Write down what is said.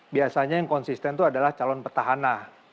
biasanya yang konsisten itu adalah calon petahana